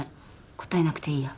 答えなくていいや。